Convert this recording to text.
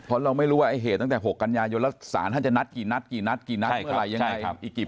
เพราะเราไม่รู้ว่าไอ้เหตุตั้งแต่หกกัญญายศาลท่านจะนัดกี่นัดกี่นัดเมื่อไรยังไงอีกกี่ปีอีกกี่ปี